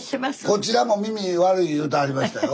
こちらも耳悪い言うてはりましたよ。